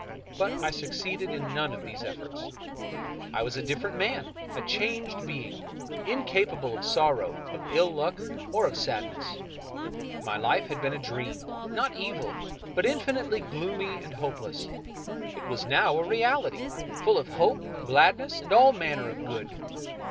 But I succeeded in none of these efforts. I was a different man, a changed being, incapable of sorrow, of ill luck, or of sadness. My life had been a dream, not evil, but infinitely gloomy and hopeless. It was now a reality, full of hope, gladness, and all manner of good.